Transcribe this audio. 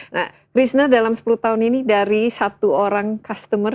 nah krishna dalam sepuluh tahun ini dari satu orang customer